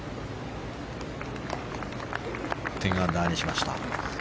１０アンダーにしました。